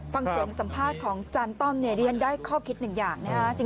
ฟังเสียงสัมภาษณ์ของอาจารย์ต้อมเนี่ยดิฉันได้ข้อคิดหนึ่งอย่างนะฮะ